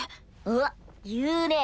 おっ言うねぇ。